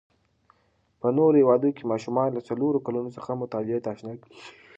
په نورو هیوادو کې ماشومان له څلورو کلونو څخه مطالعې ته آشنا کېږي.